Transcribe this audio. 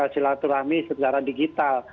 silaturahmi secara digital